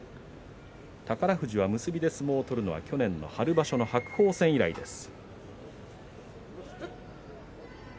宝富士は結びで相撲を取るのは去年の春場所の白鵬戦以来です。